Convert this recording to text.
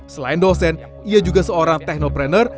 selain dosen ia juga seorang teknoprener